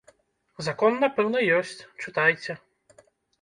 Закон, напэўна, ёсць, чытайце.